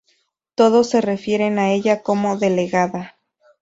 Todos se refieren a ella como "Delegada".